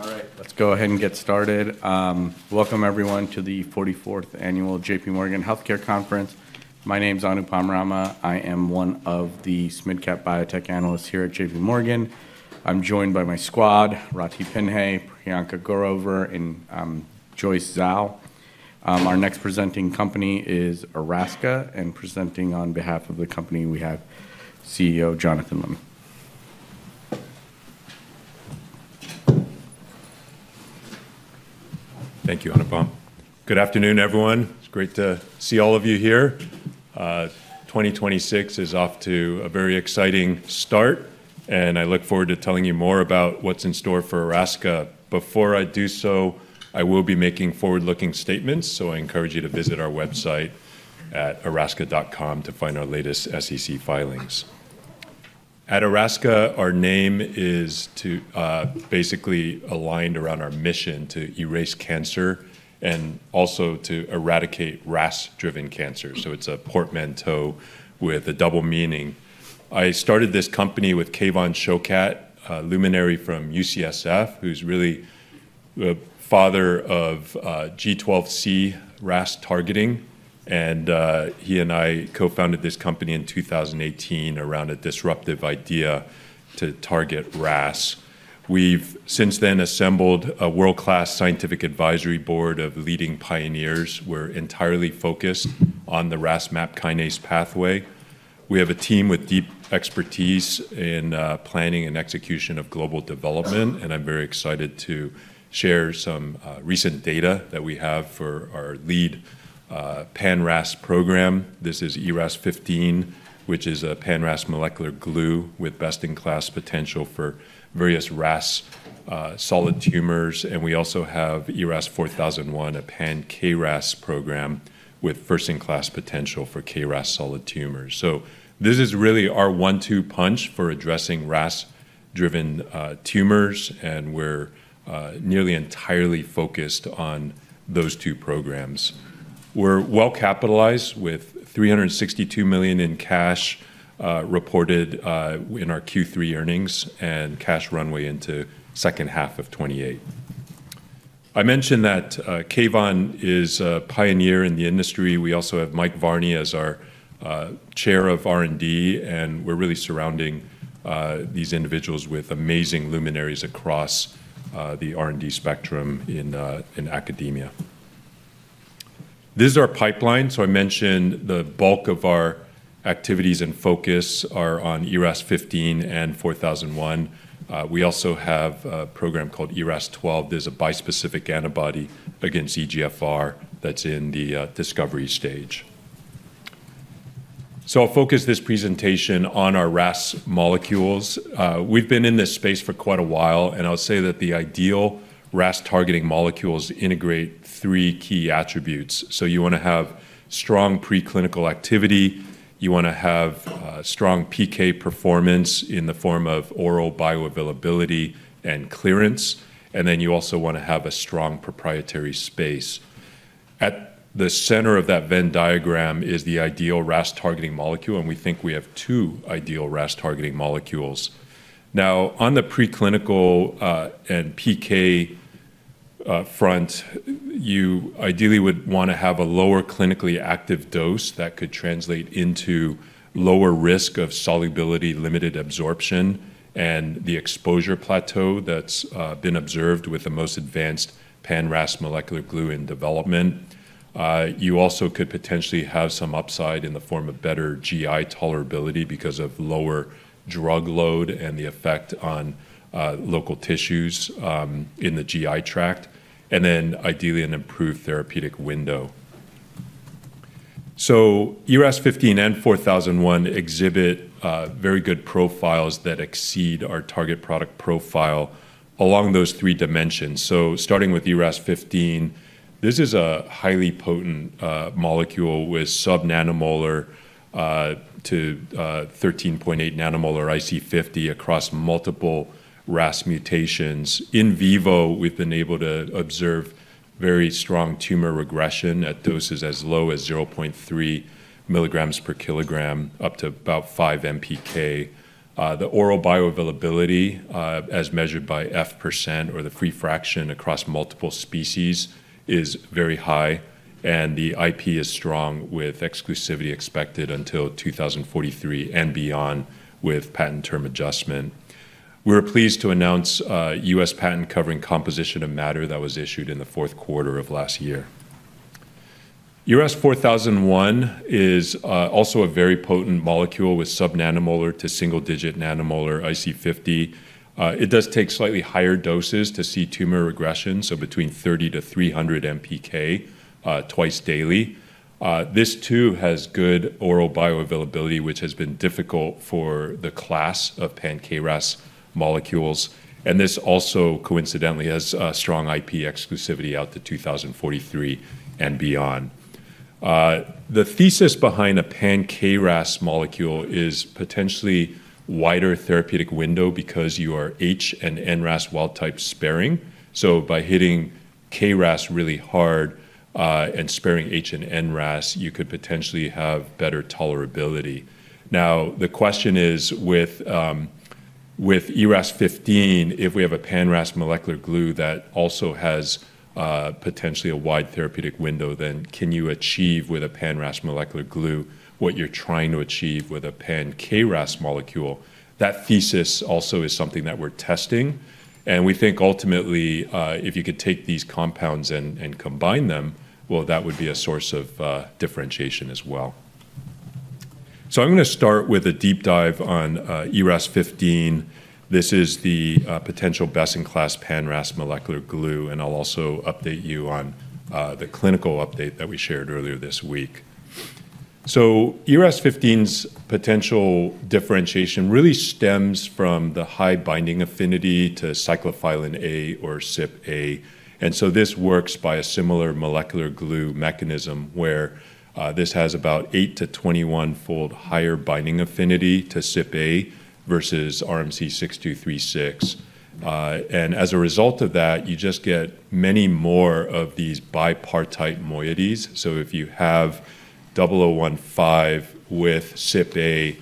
All right, let's go ahead and get started. Welcome, everyone, to the 44th Annual JPMorgan Healthcare Conference. My name's Anupam Rama. I am one of the SMI-Cap biotech analysts here at JPMorgan. I'm joined by my squad: Ratih Pinhe, Priyanka Grover, and Joyce Zhao. Our next presenting company is Erasca, and presenting on behalf of the company, we have CEO Jonathan Lim. Thank you, Anupam. Good afternoon, everyone. It's great to see all of you here. 2026 is off to a very exciting start, and I look forward to telling you more about what's in store for Erasca. Before I do so, I will be making forward-looking statements, so I encourage you to visit our website at erasca.com to find our latest SEC filings. At Erasca, our name is basically aligned around our mission to erase cancer and also to eradicate RAS-driven cancer, so it's a portmanteau with a double meaning. I started this company with Kevan Shokat, luminary from UCSF, who's really the father of G12C RAS targeting, and he and I co-founded this company in 2018 around a disruptive idea to target RAS. We've since then assembled a world-class scientific advisory board of leading pioneers. We're entirely focused on the RAS-MAPK kinase pathway. We have a team with deep expertise in planning and execution of global development, and I'm very excited to share some recent data that we have for our lead pan-RAS program. This is ERAS-15, which is a pan-RAS molecular glue with best-in-class potential for various RAS solid tumors, and we also have ERAS-4001, a pan-KRAS program with first-in-class potential for KRAS solid tumors. So this is really our one-two punch for addressing RAS-driven tumors, and we're nearly entirely focused on those two programs. We're well-capitalized with $362 million in cash reported in our Q3 earnings and cash runway into the second half of 2028. I mentioned that Kevan is a pioneer in the industry. We also have Mike Varney as our chair of R&D, and we're really surrounding these individuals with amazing luminaries across the R&D spectrum in academia. This is our pipeline, so I mentioned the bulk of our activities and focus are on ERAS-15 and ERAS-4001. We also have a program called ERAS-12. There's a bispecific antibody against EGFR that's in the discovery stage. So I'll focus this presentation on our RAS molecules. We've been in this space for quite a while, and I'll say that the ideal RAS-targeting molecules integrate three key attributes. So you want to have strong preclinical activity. You want to have strong PK performance in the form of oral bioavailability and clearance, and then you also want to have a strong proprietary space. At the center of that Venn diagram is the ideal RAS-targeting molecule, and we think we have two ideal RAS-targeting molecules. Now, on the preclinical and PK front, you ideally would want to have a lower clinically active dose that could translate into lower risk of solubility, limited absorption, and the exposure plateau that's been observed with the most advanced pan-RAS molecular glue in development. You also could potentially have some upside in the form of better GI tolerability because of lower drug load and the effect on local tissues in the GI tract, and then ideally an improved therapeutic window. So ERAS-15 and ERAS-4001 exhibit very good profiles that exceed our target product profile along those three dimensions. So starting with ERAS-15, this is a highly potent molecule with sub-nanomolar to 13.8 nanomolar IC50 across multiple RAS mutations. In vivo, we've been able to observe very strong tumor regression at doses as low as 0.3 milligrams per kilogram, up to about 5 MPK. The oral bioavailability, as measured by F% or the free fraction across multiple species, is very high, and the IP is strong with exclusivity expected until 2043 and beyond with patent term adjustment. We're pleased to announce U.S. patent covering composition of matter that was issued in the fourth quarter of last year. ERAS-4001 is also a very potent molecule with sub-nanomolar to single-digit nanomolar IC50. It does take slightly higher doses to see tumor regression, so between 30-300 MPK twice daily. This too has good oral bioavailability, which has been difficult for the class of pan-KRAS molecules, and this also coincidentally has strong IP exclusivity out to 2043 and beyond. The thesis behind a pan-KRAS molecule is potentially a wider therapeutic window because you are HRAS and NRAS wild-type sparing. So by hitting KRAS really hard and sparing H and NRAS, you could potentially have better tolerability. Now, the question is, with ERAS-15, if we have a pan-RAS molecular glue that also has potentially a wide therapeutic window, then can you achieve with a pan-RAS molecular glue what you're trying to achieve with a pan-KRAS molecule? That thesis also is something that we're testing, and we think ultimately, if you could take these compounds and combine them, well, that would be a source of differentiation as well. So I'm going to start with a deep dive on ERAS-15. This is the potential best-in-class pan-RAS molecular glue, and I'll also update you on the clinical update that we shared earlier this week. ERAS-15's potential differentiation really stems from the high binding affinity to cyclophilin A or CyPA, and so this works by a similar molecular glue mechanism where this has about 8- to 21-fold higher binding affinity to CyPA versus RMC-6236. And as a result of that, you just get many more of these bipartite moieties. So if you have 0015 with CyPA,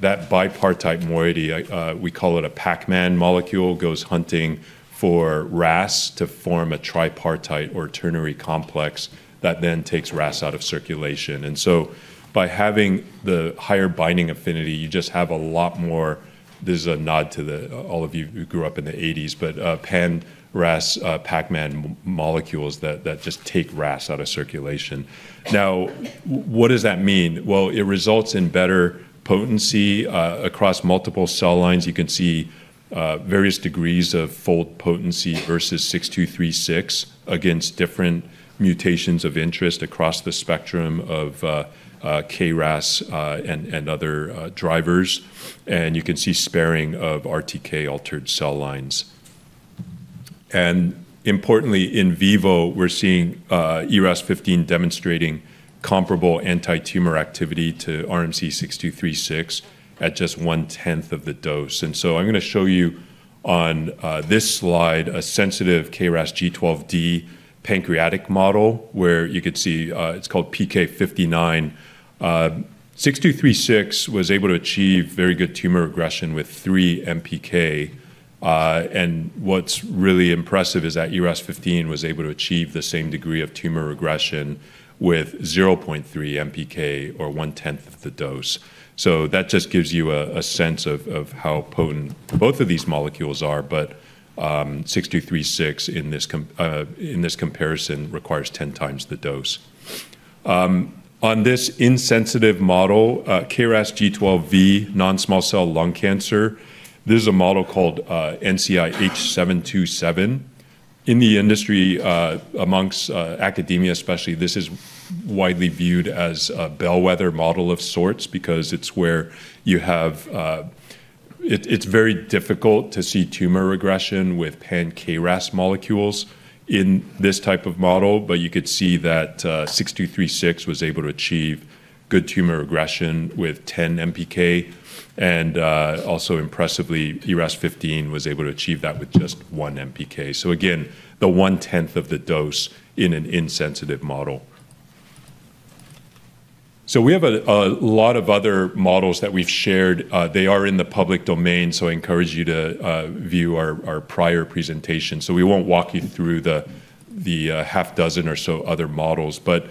that bipartite moiety, we call it a Pac-Man molecule, goes hunting for RAS to form a tripartite or ternary complex that then takes RAS out of circulation. And so by having the higher binding affinity, you just have a lot more, this is a nod to all of you who grew up in the '80s, but pan-RAS Pac-Man molecules that just take RAS out of circulation. Now, what does that mean? Well, it results in better potency across multiple cell lines. You can see various degrees of fold potency versus RMC-6236 against different mutations of interest across the spectrum of KRAS and other drivers, and you can see sparing of RTK-altered cell lines, and importantly, in vivo, we're seeing ERAS-15 demonstrating comparable anti-tumor activity to RMC-6236 at just one-tenth of the dose, and so I'm going to show you on this slide a sensitive KRAS G12D pancreatic model where you could see it's called PK-59. RMC-6236 was able to achieve very good tumor regression with 3 MPK, and what's really impressive is that ERAS-15 was able to achieve the same degree of tumor regression with 0.3 MPK or one-tenth of the dose, so that just gives you a sense of how potent both of these molecules are, but RMC-6236 in this comparison requires 10 times the dose. On this insensitive model, KRAS G12V non-small cell lung cancer, this is a model called NCI-H727. In the industry, among academia especially, this is widely viewed as a bellwether model of sorts because it's where you have, it's very difficult to see tumor regression with pan-KRAS molecules in this type of model, but you could see that RMC-6236 was able to achieve good tumor regression with 10 MPK, and also impressively, ERAS-15 was able to achieve that with just 1 MPK. So again, the one-tenth of the dose in an insensitive model. So we have a lot of other models that we've shared. They are in the public domain, so I encourage you to view our prior presentation. So we won't walk you through the half dozen or so other models, but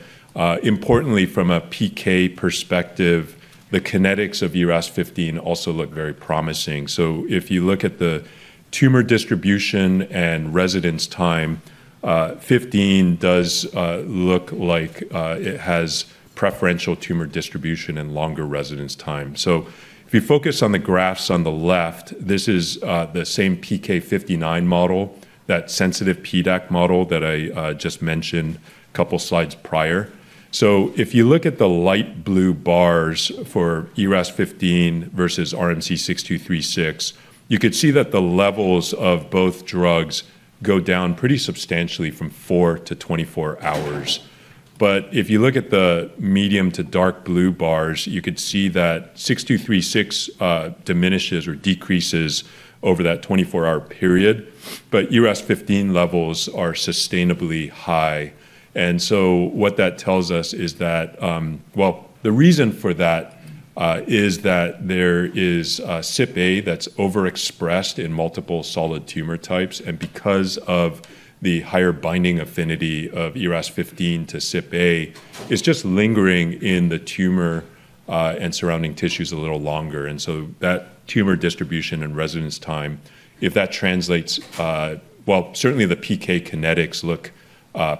importantly, from a PK perspective, the kinetics of ERAS-15 also look very promising. So if you look at the tumor distribution and residence time, 15 does look like it has preferential tumor distribution and longer residence time. So if you focus on the graphs on the left, this is the same PK-59 model, that sensitive PDAC model that I just mentioned a couple slides prior. So if you look at the light blue bars for ERAS-15 versus RMC-6236, you could see that the levels of both drugs go down pretty substantially from 4-24 hours. But if you look at the medium to dark blue bars, you could see that 6236 diminishes or decreases over that 24-hour period, but ERAS-15 levels are sustainably high. And so what that tells us is that, well, the reason for that is that there is CyPA that's overexpressed in multiple solid tumor types, and because of the higher binding affinity of ERAS-15 to CyPA, it's just lingering in the tumor and surrounding tissues a little longer. And so that tumor distribution and residence time, if that translates, well, certainly the PK kinetics look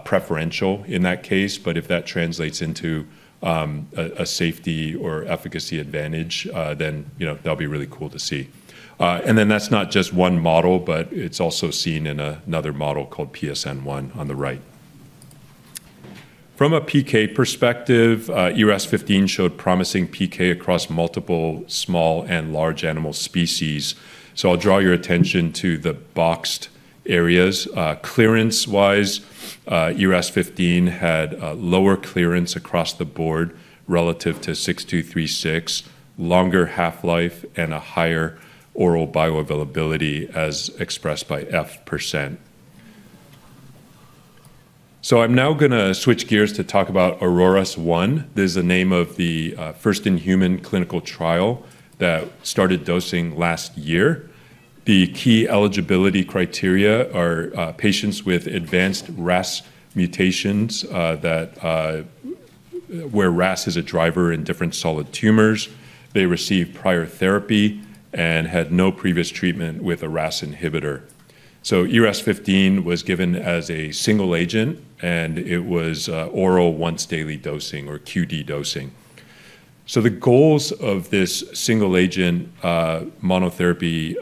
preferential in that case, but if that translates into a safety or efficacy advantage, then that'll be really cool to see. And then that's not just one model, but it's also seen in another model called PSN-1 on the right. From a PK perspective, ERAS-15 showed promising PK across multiple small and large animal species. So I'll draw your attention to the boxed areas. Clearance-wise, ERAS-15 had lower clearance across the board relative to RMC-6236, longer half-life, and a higher oral bioavailability as expressed by F%. So I'm now going to switch gears to talk about AURORAS-1. This is the name of the first-in-human clinical trial that started dosing last year. The key eligibility criteria are patients with advanced RAS mutations where RAS is a driver in different solid tumors. They received prior therapy and had no previous treatment with a RAS inhibitor. So ERAS-15 was given as a single agent, and it was oral once-daily dosing or QD dosing. So the goals of this single agent monotherapy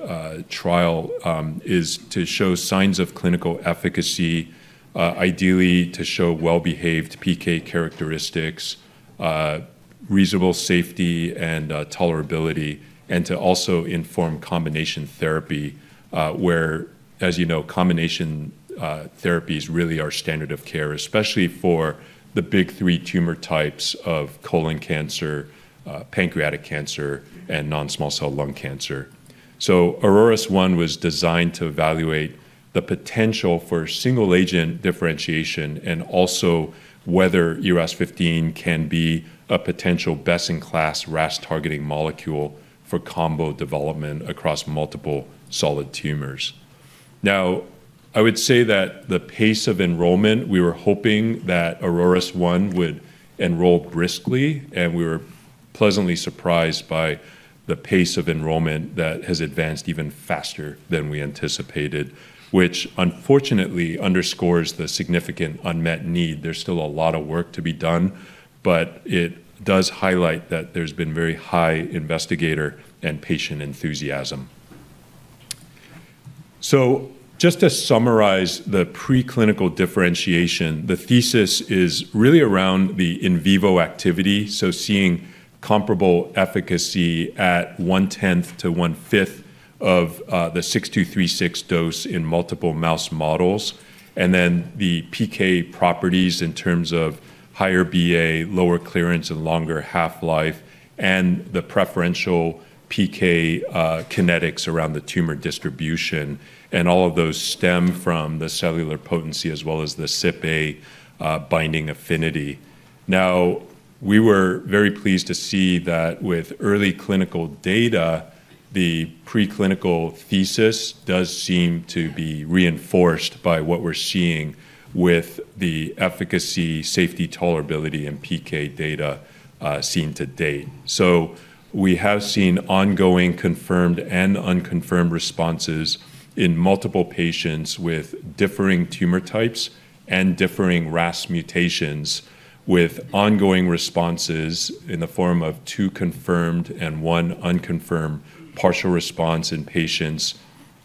trial are to show signs of clinical efficacy, ideally to show well-behaved PK characteristics, reasonable safety and tolerability, and to also inform combination therapy where, as you know, combination therapies really are standard of care, especially for the big three tumor types of colon cancer, pancreatic cancer, and non-small cell lung cancer. AURORAS-1 was designed to evaluate the potential for single agent differentiation and also whether ERAS-15 can be a potential best-in-class RAS-targeting molecule for combo development across multiple solid tumors. Now, I would say that the pace of enrollment, we were hoping that AURORAS-1 would enroll briskly, and we were pleasantly surprised by the pace of enrollment that has advanced even faster than we anticipated, which unfortunately underscores the significant unmet need. There's still a lot of work to be done, but it does highlight that there's been very high investigator and patient enthusiasm, so just to summarize the preclinical differentiation, the thesis is really around the in vivo activity, so seeing comparable efficacy at one-tenth to one-fifth of the RMC-6236 dose in multiple mouse models, and then the PK properties in terms of higher BA, lower clearance, and longer half-life, and the preferential PK kinetics around the tumor distribution, and all of those stem from the cellular potency as well as the CyPA binding affinity. Now, we were very pleased to see that with early clinical data, the preclinical thesis does seem to be reinforced by what we're seeing with the efficacy, safety, tolerability, and PK data seen to date. So we have seen ongoing confirmed and unconfirmed responses in multiple patients with differing tumor types and differing RAS mutations, with ongoing responses in the form of two confirmed and one unconfirmed partial response in patients,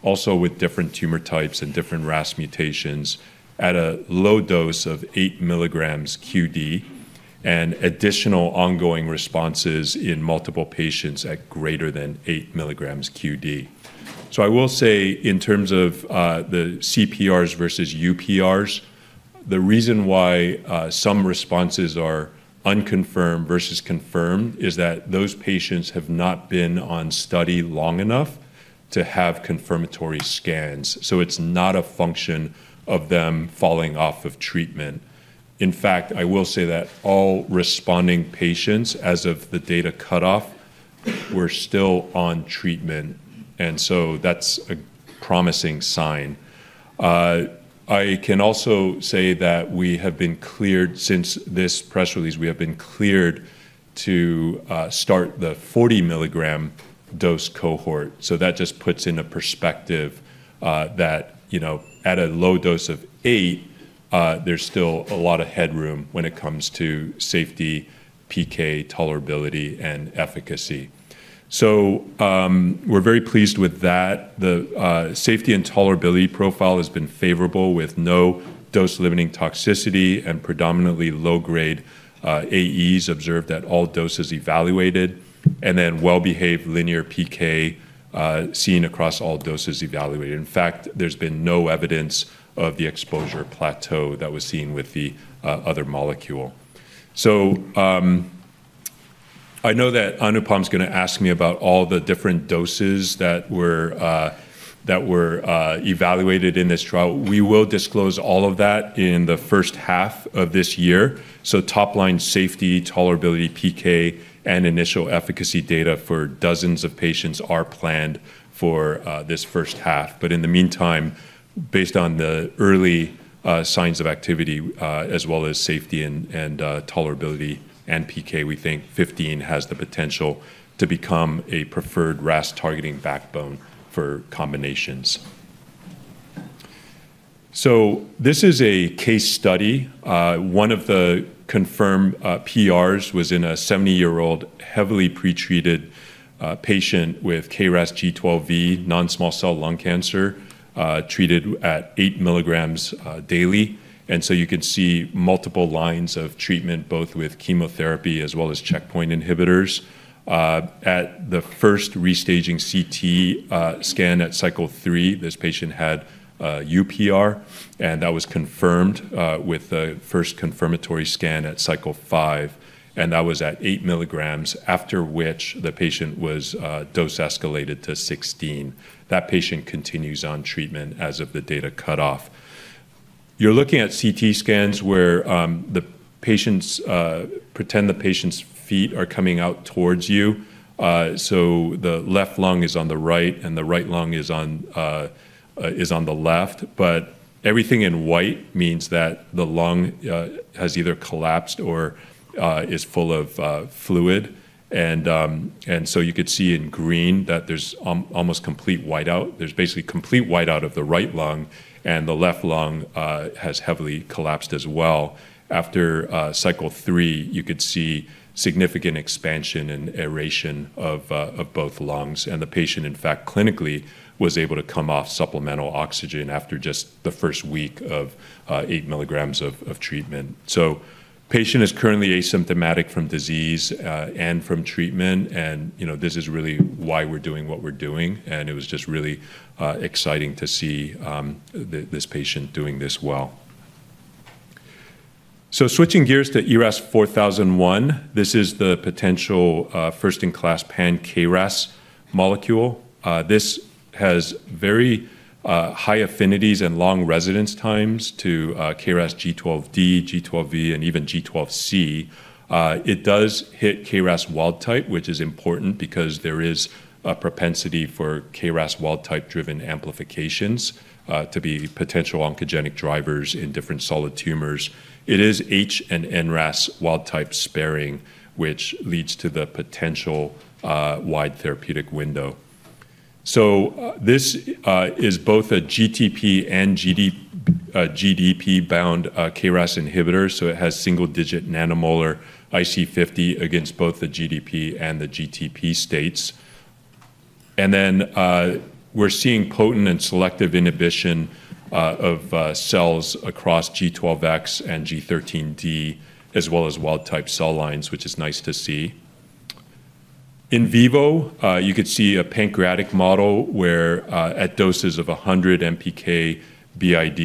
also with different tumor types and different RAS mutations at a low dose of eight milligrams QD, and additional ongoing responses in multiple patients at greater than eight milligrams QD. So I will say in terms of the CPRs versus UPRs, the reason why some responses are unconfirmed versus confirmed is that those patients have not been on study long enough to have confirmatory scans, so it's not a function of them falling off of treatment. In fact, I will say that all responding patients, as of the data cutoff, were still on treatment, and so that's a promising sign. I can also say that we have been cleared since this press release. We have been cleared to start the 40 milligram dose cohort. So that just puts it in perspective that at a low dose of eight, there's still a lot of headroom when it comes to safety, PK, tolerability, and efficacy. So we're very pleased with that. The safety and tolerability profile has been favorable with no dose-limiting toxicity and predominantly low-grade AEs observed at all doses evaluated, and then well-behaved linear PK seen across all doses evaluated. In fact, there's been no evidence of the exposure plateau that was seen with the other molecule. So I know that Anupam's going to ask me about all the different doses that were evaluated in this trial. We will disclose all of that in the first half of this year. Top-line safety, tolerability, PK, and initial efficacy data for dozens of patients are planned for this first half. But in the meantime, based on the early signs of activity as well as safety and tolerability and PK, we think 15 has the potential to become a preferred RAS-targeting backbone for combinations. This is a case study. One of the confirmed PRs was in a 70-year-old heavily pretreated patient with KRAS G12V non-small cell lung cancer treated at eight milligrams daily. You can see multiple lines of treatment, both with chemotherapy as well as checkpoint inhibitors. At the first restaging CT scan at cycle three, this patient had UPR, and that was confirmed with the first confirmatory scan at cycle five, and that was at eight milligrams, after which the patient was dose-escalated to 16. That patient continues on treatment as of the data cutoff. You're looking at CT scans where the patients pretend the patient's feet are coming out towards you, so the left lung is on the right and the right lung is on the left, but everything in white means that the lung has either collapsed or is full of fluid, and so you could see in green that there's almost complete whiteout. There's basically complete whiteout of the right lung, and the left lung has heavily collapsed as well. After cycle three, you could see significant expansion and aeration of both lungs, and the patient, in fact, clinically was able to come off supplemental oxygen after just the first week of eight milligrams of treatment, so the patient is currently asymptomatic from disease and from treatment, and this is really why we're doing what we're doing, and it was just really exciting to see this patient doing this well. So switching gears to ERAS-4001, this is the potential first-in-class pan-KRAS molecule. This has very high affinities and long residence times to KRAS G12D, G12V, and even G12C. It does hit KRAS wild-type, which is important because there is a propensity for KRAS wild-type-driven amplifications to be potential oncogenic drivers in different solid tumors. It is HRAS and NRAS wild-type sparing, which leads to the potential wide therapeutic window. So this is both a GTP and GDP-bound KRAS inhibitor, so it has single-digit nanomolar IC50 against both the GDP and the GTP states. And then we're seeing potent and selective inhibition of cells across G12X and G13D, as well as wild-type cell lines, which is nice to see. In vivo, you could see a pancreatic model where at doses of 100 MPK BID,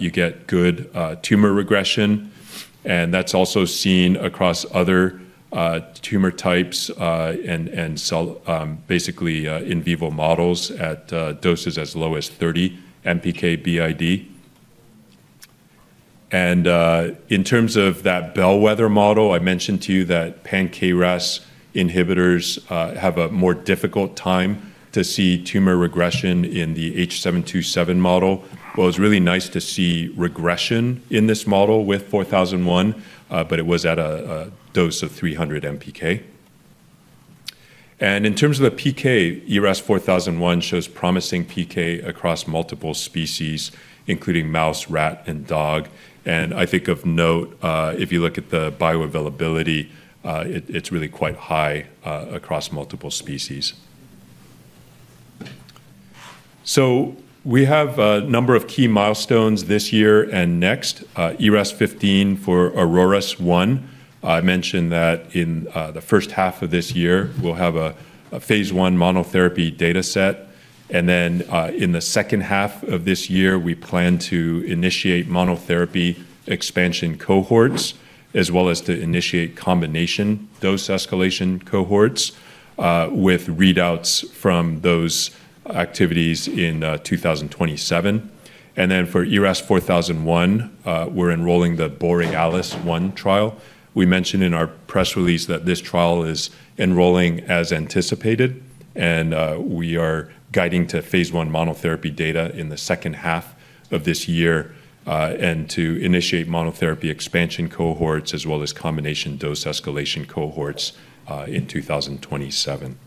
you get good tumor regression, and that's also seen across other tumor types and basically in vivo models at doses as low as 30 MPK BID. And in terms of that Bellwether model, I mentioned to you that pan-KRAS inhibitors have a more difficult time to see tumor regression in the H727 model. Well, it was really nice to see regression in this model with 4001, but it was at a dose of 300 MPK. And in terms of the PK, ERAS-4001 shows promising PK across multiple species, including mouse, rat, and dog. And I think of note, if you look at the bioavailability, it's really quite high across multiple species. So we have a number of key milestones this year and next. ERAS-15 for AURORAS-1, I mentioned that in the first half of this year, we'll have a phase one monotherapy data set. And then in the second half of this year, we plan to initiate monotherapy expansion cohorts, as well as to initiate combination dose-escalation cohorts with readouts from those activities in 2027. And then for ERAS-4001, we're enrolling the BOREALIS-1 trial. We mentioned in our press release that this trial is enrolling as anticipated, and we are guiding to phase one monotherapy data in the second half of this year and to initiate monotherapy expansion cohorts as well as combination dose-escalation cohorts in 2027.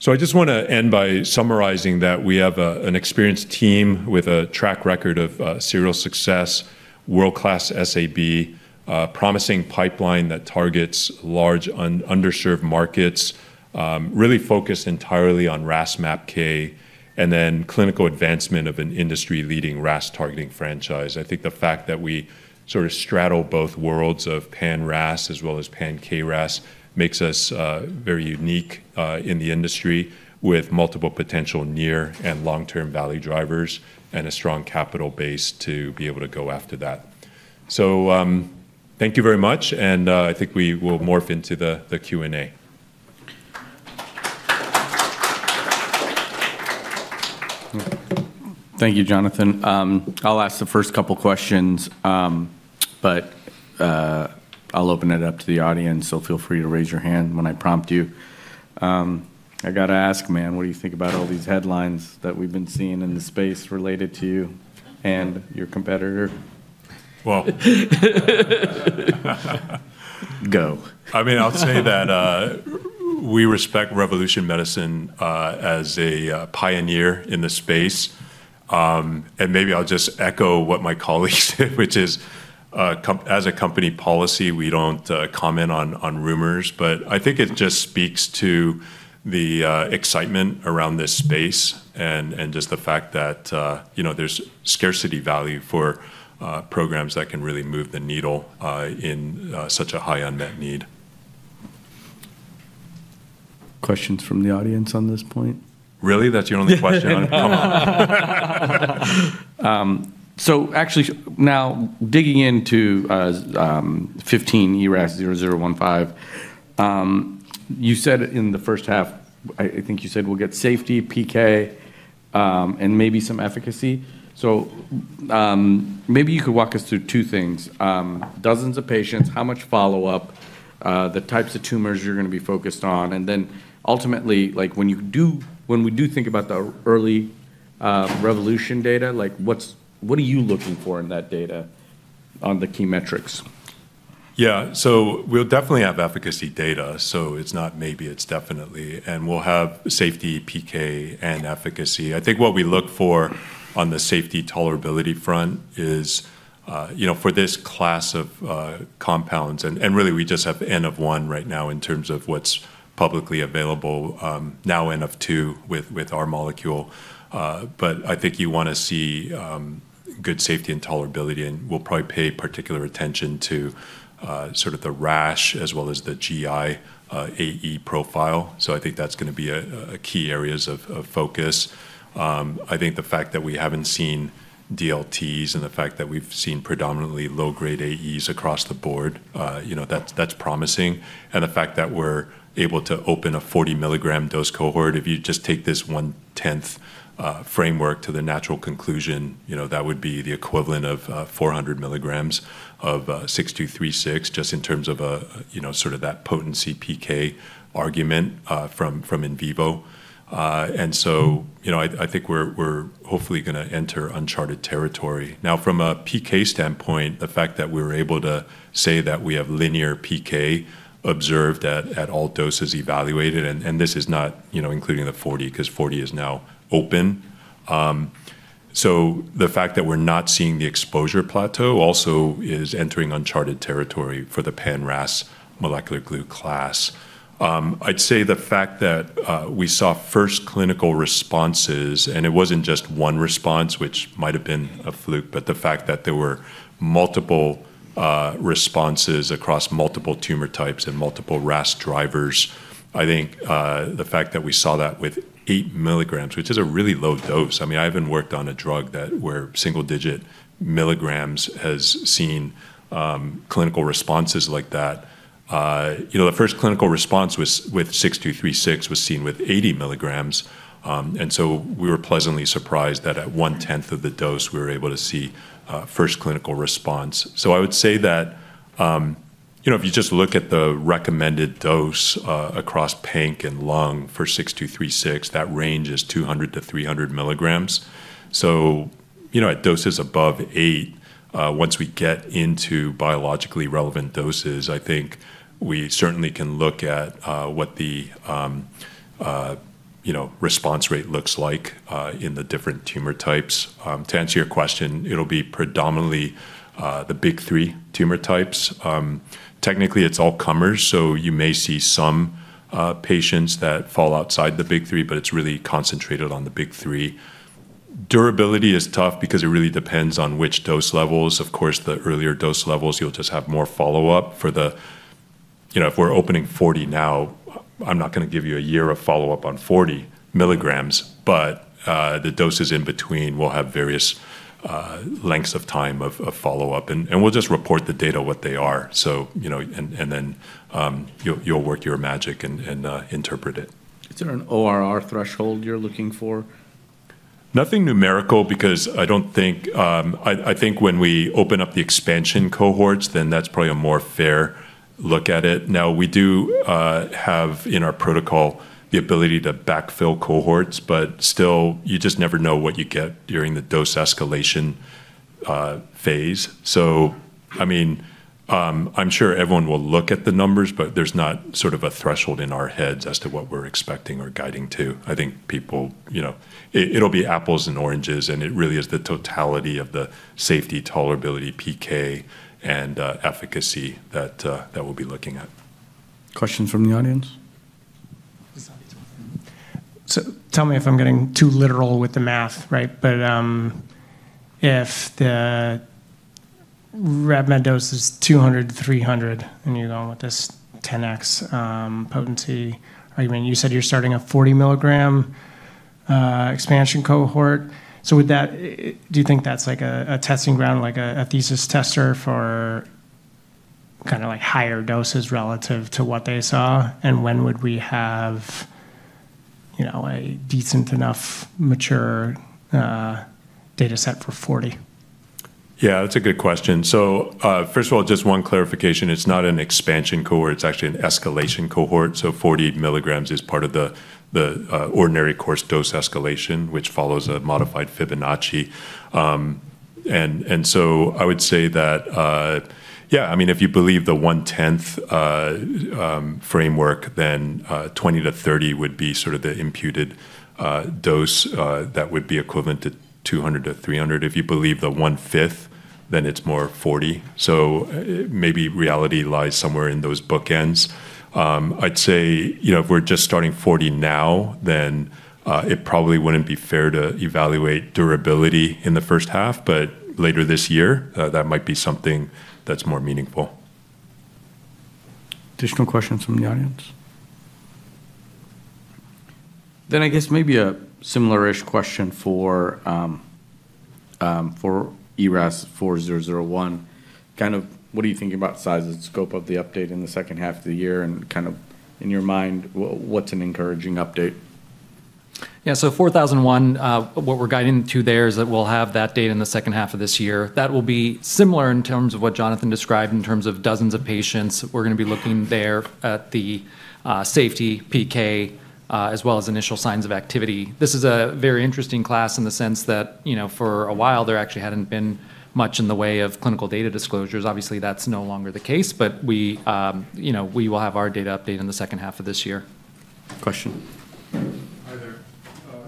So I just want to end by summarizing that we have an experienced team with a track record of serial success, world-class SAB, a promising pipeline that targets large underserved markets, really focused entirely on RAS-MAPK, and then clinical advancement of an industry-leading RAS-targeting franchise. I think the fact that we sort of straddle both worlds of pan-RAS as well as pan-KRAS makes us very unique in the industry with multiple potential near and long-term value drivers and a strong capital base to be able to go after that. So thank you very much, and I think we will morph into the Q&A. Thank you, Jonathan. I'll ask the first couple of questions, but I'll open it up to the audience, so feel free to raise your hand when I prompt you. I got to ask, man, what do you think about all these headlines that we've been seeing in the space related to you and your competitor? Well. Go. I mean, I'll say that we respect Revolution Medicines as a pioneer in the space, and maybe I'll just echo what my colleagues did, which is, as a company policy, we don't comment on rumors, but I think it just speaks to the excitement around this space and just the fact that there's scarcity value for programs that can really move the needle in such a high unmet need. Questions from the audience on this point? Really? That's your only question? Come on. So actually, now digging into ERAS-0015, you said in the first half, I think you said we'll get safety, PK, and maybe some efficacy. So maybe you could walk us through two things: dozens of patients, how much follow-up, the types of tumors you're going to be focused on, and then ultimately, when we do think about the early Revolution data, what are you looking for in that data on the key metrics? Yeah, so we'll definitely have efficacy data, so it's not maybe, it's definitely, and we'll have safety, PK, and efficacy. I think what we look for on the safety tolerability front is for this class of compounds, and really we just have N-of-1 right now in terms of what's publicly available, now N-of-2 with our molecule. But I think you want to see good safety and tolerability, and we'll probably pay particular attention to sort of the rash as well as the GI AE profile. So I think that's going to be key areas of focus. I think the fact that we haven't seen DLTs and the fact that we've seen predominantly low-grade AEs across the board, that's promising. The fact that we're able to open a 40 milligram dose cohort, if you just take this one-tenth framework to the natural conclusion, that would be the equivalent of 400 milligrams of RMC-6236 just in terms of sort of that potency PK argument from in vivo. So I think we're hopefully going to enter uncharted territory. Now, from a PK standpoint, the fact that we were able to say that we have linear PK observed at all doses evaluated, and this is not including the 40 because 40 is now open. The fact that we're not seeing the exposure plateau also is entering uncharted territory for the pan-RAS molecular glue class. I'd say the fact that we saw first clinical responses, and it wasn't just one response, which might have been a fluke, but the fact that there were multiple responses across multiple tumor types and multiple RAS drivers. I think the fact that we saw that with eight milligrams, which is a really low dose. I mean, I haven't worked on a drug where single-digit milligrams has seen clinical responses like that. The first clinical response with RMC-6236 was seen with 80 milligrams, and so we were pleasantly surprised that at one-tenth of the dose, we were able to see first clinical response. So I would say that if you just look at the recommended dose across panc and lung for 6236, that range is 200milligrams-300 milligrams. At doses above 8, once we get into biologically relevant doses, I think we certainly can look at what the response rate looks like in the different tumor types. To answer your question, it'll be predominantly the big three tumor types. Technically, it's all comers, so you may see some patients that fall outside the big three, but it's really concentrated on the big three. Durability is tough because it really depends on which dose levels. Of course, the earlier dose levels, you'll just have more follow-up for them. If we're opening 40 now, I'm not going to give you a year of follow-up on 40 milligrams, but the doses in between will have various lengths of time of follow-up, and we'll just report the data what they are. And then you'll work your magic and interpret it. Is there an ORR threshold you're looking for? Nothing numerical because I think when we open up the expansion cohorts, then that's probably a more fair look at it. Now, we do have in our protocol the ability to backfill cohorts, but still, you just never know what you get during the dose-escalation phase. So I mean, I'm sure everyone will look at the numbers, but there's not sort of a threshold in our heads as to what we're expecting or guiding to. I think it'll be apples and oranges, and it really is the totality of the safety, tolerability, PK, and efficacy that we'll be looking at. Questions from the audience? So tell me if I'm getting too literal with the math, right? But if the RevMed dose is 200-300 and you're going with this 10x potency, you said you're starting a 40 milligram expansion cohort. So do you think that's like a testing ground, like a thesis tester for kind of higher doses relative to what they saw? And when would we have a decent enough mature data set for 40? Yeah, that's a good question, so first of all, just one clarification. It's not an expansion cohort. It's actually an escalation cohort, so 40 milligrams is part of the ordinary course dose escalation, which follows a modified Fibonacci. And so I would say that, yeah, I mean, if you believe the one-tenth framework, then 20-30 would be sort of the imputed dose that would be equivalent to 200-300. If you believe the one-fifth, then it's more 40, so maybe reality lies somewhere in those bookends. I'd say if we're just starting 40 now, then it probably wouldn't be fair to evaluate durability in the first half, but later this year, that might be something that's more meaningful. Additional questions from the audience? Then I guess maybe a similar-ish question for ERAS-4001. Kind of what are you thinking about size and scope of the update in the second half of the year? And kind of in your mind, what's an encouraging update? Yeah, so ERAS-4001, what we're guiding to there is that we'll have that date in the second half of this year. That will be similar in terms of what Jonathan described in terms of dozens of patients. We're going to be looking there at the safety, PK, as well as initial signs of activity. This is a very interesting class in the sense that for a while, there actually hadn't been much in the way of clinical data disclosures. Obviously, that's no longer the case, but we will have our data update in the second half of this year. Question. Hi there.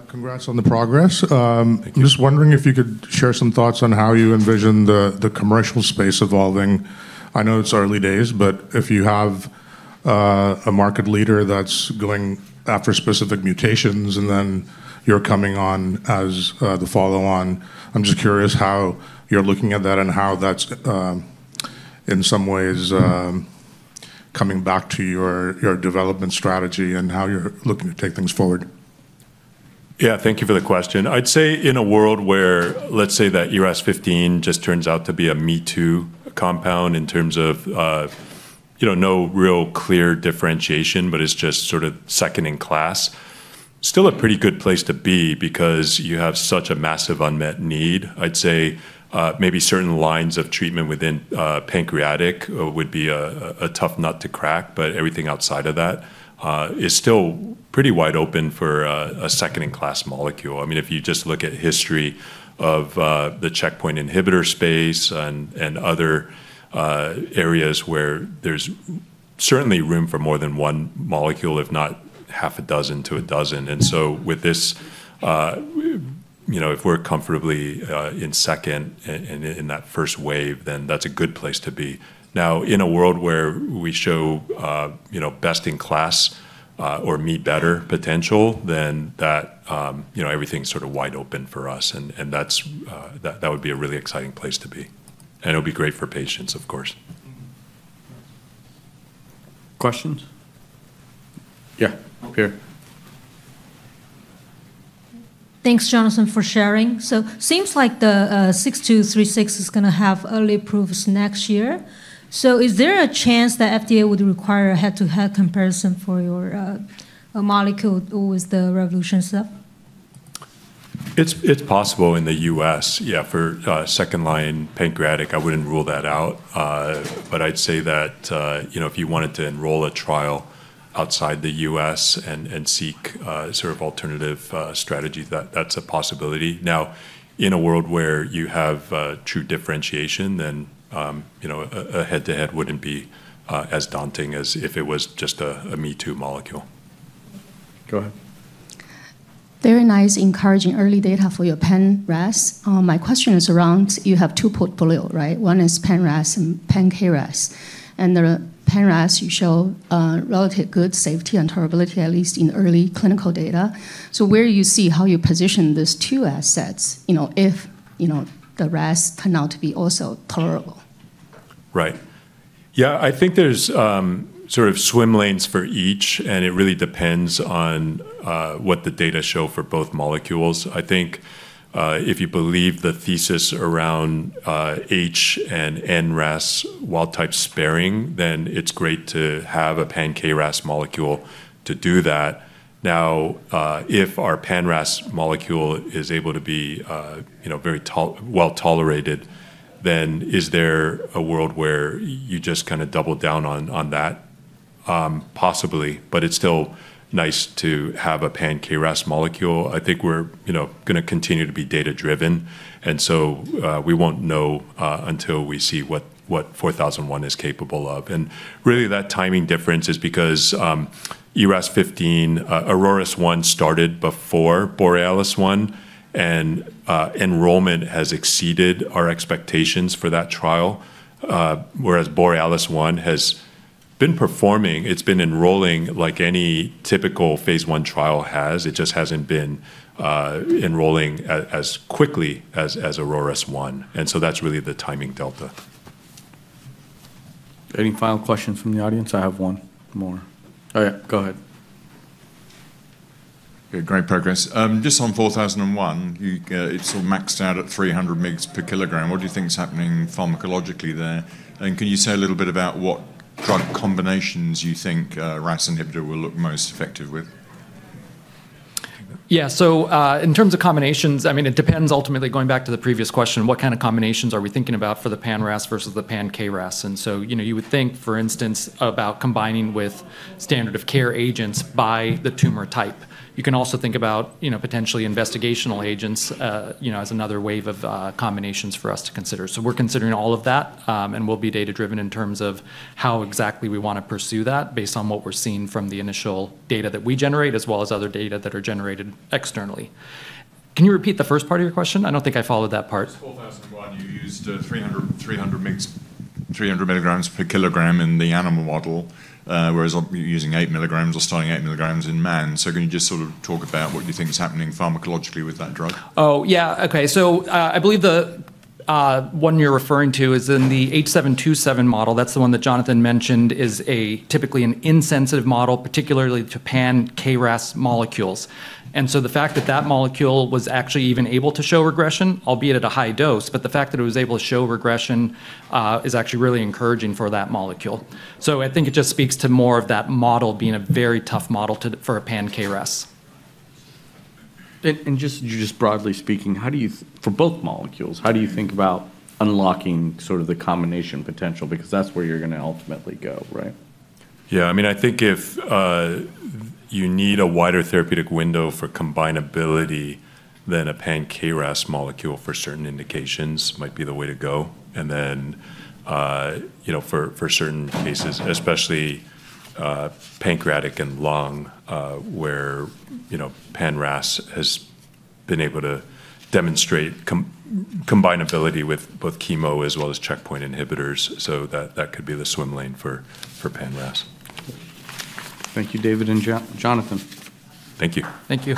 Congrats on the progress. I'm just wondering if you could share some thoughts on how you envision the commercial space evolving. I know it's early days, but if you have a market leader that's going after specific mutations and then you're coming on as the follow-on, I'm just curious how you're looking at that and how that's in some ways coming back to your development strategy and how you're looking to take things forward. Yeah, thank you for the question. I'd say in a world where, let's say that ERAS-15 just turns out to be a me-too compound in terms of no real clear differentiation, but it's just sort of second in class, still a pretty good place to be because you have such a massive unmet need. I'd say maybe certain lines of treatment within pancreatic would be a tough nut to crack, but everything outside of that is still pretty wide open for a second-in-class molecule. I mean, if you just look at history of the checkpoint inhibitor space and other areas where there's certainly room for more than one molecule, if not half a dozen to a dozen. And so with this, if we're comfortably in second in that first wave, then that's a good place to be. Now, in a world where we show best-in-class or me-better potential, then everything's sort of wide open for us, and that would be a really exciting place to be, and it'll be great for patients, of course. Questions? Yeah, up here. Thanks, Jonathan, for sharing. So it seems like the RMC-6236 is going to have early proofs next year. So is there a chance that FDA would require a head-to-head comparison for your molecule with the Revolution stuff? It's possible in the U.S., yeah, for second-line pancreatic. I wouldn't rule that out, but I'd say that if you wanted to enroll a trial outside the U.S. and seek sort of alternative strategies, that's a possibility. Now, in a world where you have true differentiation, then a head-to-head wouldn't be as daunting as if it was just a me-too molecule. Go ahead. Very nice, encouraging early data for your pan-RAS. My question is around you have two portfolios, right? One is pan-RAS and pan-KRAS. And the pan-RAS, you show relatively good safety and tolerability, at least in early clinical data. So where do you see how you position these two assets if the RAS turned out to be also tolerable? Right. Yeah, I think there's sort of swim lanes for each, and it really depends on what the data show for both molecules. I think if you believe the thesis around HRAS and NRAS wild-type sparing, then it's great to have a pan-KRAS molecule to do that. Now, if our pan-RAS molecule is able to be very well tolerated, then is there a world where you just kind of double down on that? Possibly, but it's still nice to have a pan-KRAS molecule. I think we're going to continue to be data-driven, and so we won't know until we see what 4001 is capable of, and really, that timing difference is because ERAS-15, AURORAS-1 started before BOREALIS-1, and enrollment has exceeded our expectations for that trial, whereas BOREALIS-1 has been performing. It's been enrolling like any typical phase 1 trial has. It just hasn't been enrolling as quickly as AURORAS-1. That's really the timing delta. Any final questions from the audience? I have one more. All right, go ahead. Great progress. Just on ERAS-4001, it's all maxed out at 300 mgs per kilogram. What do you think is happening pharmacologically there? And can you say a little bit about what drug combinations you think RAS inhibitor will look most effective with? Yeah, so in terms of combinations, I mean, it depends ultimately, going back to the previous question, what kind of combinations are we thinking about for the pan-RAS versus the pan-KRAS? And so you would think, for instance, about combining with standard of care agents by the tumor type. You can also think about potentially investigational agents as another wave of combinations for us to consider. So we're considering all of that, and we'll be data-driven in terms of how exactly we want to pursue that based on what we're seeing from the initial data that we generate as well as other data that are generated externally. Can you repeat the first part of your question? I don't think I followed that part. With 4001, you used 300 milligrams per kilogram in the animal model, whereas you're using eight milligrams or starting eight milligrams in man. So can you just sort of talk about what you think is happening pharmacologically with that drug? Oh, yeah. Okay. So I believe the one you're referring to is in the NCI-H727 model. That's the one that Jonathan mentioned is typically an insensitive model, particularly the pan-KRAS molecules. And so the fact that that molecule was actually even able to show regression, albeit at a high dose, but the fact that it was able to show regression is actually really encouraging for that molecule. So I think it just speaks to more of that model being a very tough model for a pan-KRAS. And just broadly speaking, for both molecules, how do you think about unlocking sort of the combination potential? Because that's where you're going to ultimately go, right? Yeah. I mean, I think if you need a wider therapeutic window for combinability, then a pan-KRAS molecule for certain indications might be the way to go. And then for certain cases, especially pancreatic and lung, where pan-RAS has been able to demonstrate combinability with both chemo as well as checkpoint inhibitors, so that could be the swim lane for pan-RAS. Thank you, David and Jonathan. Thank you. Thank you.